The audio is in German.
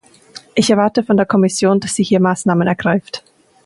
Ich erwarte von der Kommission, dass sie hier Maßnahmen ergreift.